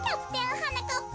はなかっぱ！